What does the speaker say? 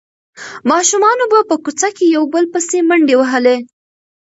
ماشومانو به په کوڅه کې یو بل پسې منډې وهلې.